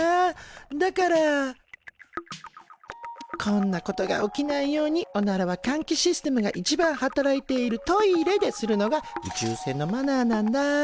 だからこんなことが起きないようにおならはかんきシステムがいちばん働いているトイレでするのが宇宙船のマナーなんだ。